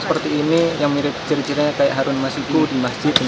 seperti ini yang mirip ciri cirinya kayak harun masiku di masjid